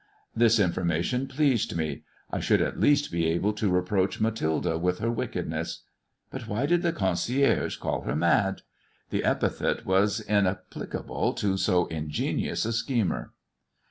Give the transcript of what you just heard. This information pleased me. I should at least be able to reproach Mathilde with her wickedness. But why did the concierge call her mad 1 The epithet was inapplicable to so ingenious a schemer.